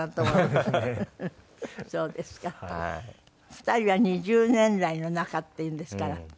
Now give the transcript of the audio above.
２人は二十年来の仲っていうんですから。